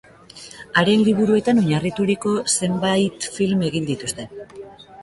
Haren liburuetan oinarrituriko zenbait film egin dituzte.